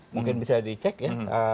mungkin bisa dicek ya